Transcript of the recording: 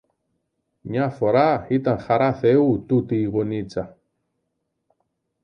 Μια φορά ήταν χαρά Θεού τούτη η γωνίτσα.